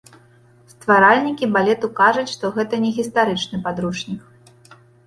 Стваральнікі балету кажуць, што гэта не гістарычны падручнік.